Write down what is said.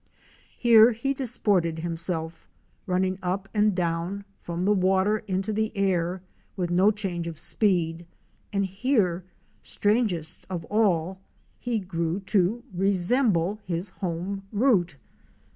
Here he disported himself, running up and down, from the water into the air with no change in speed, and here, strangest of all, he grew to resemble his home root.